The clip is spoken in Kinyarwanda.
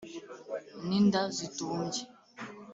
n’inda zitumbye